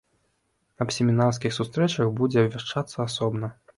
Аб семінарскіх сустрэчах будзе абвяшчацца асобна.